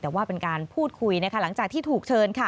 แต่ว่าเป็นการพูดคุยนะคะหลังจากที่ถูกเชิญค่ะ